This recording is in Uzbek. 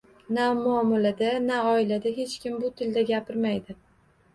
Na muomalada, na oilada hech kim bu tilda gapirmaydi